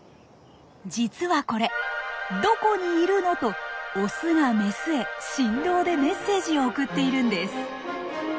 実はこれ「どこにいるの？」とオスがメスへ振動でメッセージを送っているんです。